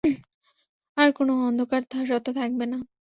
আর কোনো অন্ধকার সত্ত্বা থাকবে না।